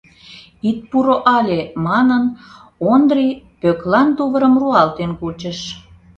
— Ит пуро але, — манын, Ондри Пӧклан тувырым руалтен кучыш.